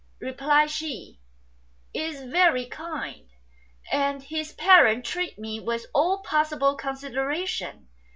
My husband," replied she, "is very kind; and his parents treat me with all possible consideration.